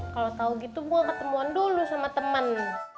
kalau tau gitu gue ketemuan dulu sama temen